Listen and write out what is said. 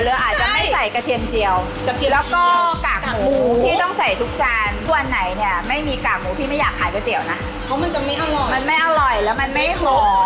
แล้วก็กากหมูที่ต้องใส่ทุกชานตัวไหนเนี้ยไม่มีกากหมูพี่ไม่อยากขายก๋วยเตี๋ยวนะเพราะมันจะไม่อร่อยมันไม่อร่อยแล้วมันไม่หอม